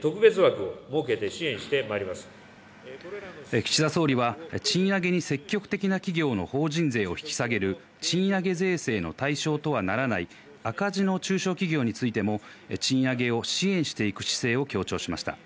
岸田総理は、賃上げに積極的な企業の法人税を引き下げる賃上げ税制の対象とはならない赤字の中小企業についても賃上げを支援していく姿勢を強調しました。